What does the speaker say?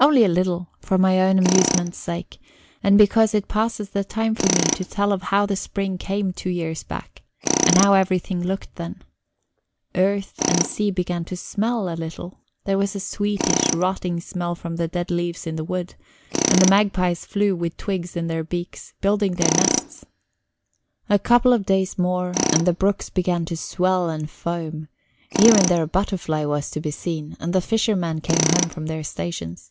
Only a little for my own amusement's sake, and because it passes the time for me to tell of how the spring came two years back, and how everything looked then. Earth and sea began to smell a little; there was a sweetish, rotting smell from the dead leaves in the wood, and the magpies flew with twigs in their beaks, building their nests. A couple of days more, and the brooks began to swell and foam; here and there a butterfly was to be seen, and the fishermen came home from their stations.